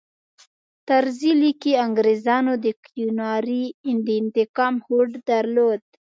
طرزي لیکي انګریزانو د کیوناري د انتقام هوډ درلود.